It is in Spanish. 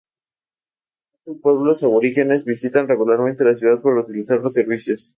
Muchos pueblos aborígenes visitan regularmente la ciudad para utilizar los servicios.